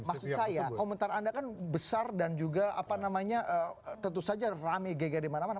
maksud saya komentar anda kan besar dan juga apa namanya tentu saja rame geger dimana mana